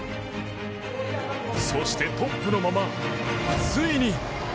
そして、トップのままついに。